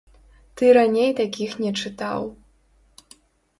Ты раней такіх не чытаў.